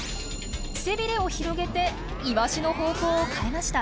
背ビレを広げてイワシの方向を変えました。